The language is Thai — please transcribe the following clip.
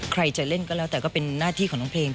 ใครจะเล่นก็แล้วแต่ก็เป็นหน้าที่ของน้องเพลง